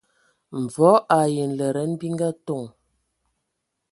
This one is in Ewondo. Mvɔ ai nlɛdɛn bi ngatoŋ.